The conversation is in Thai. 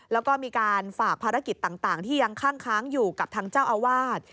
แล้วก็มีการฝากภารกิจต่างที่ยังคั่งค้างอยู่กับทางเจ้าอาวาส